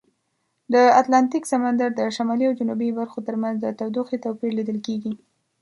د اتلانتیک سمندر د شمالي او جنوبي برخو ترمنځ د تودوخې توپیر لیدل کیږي.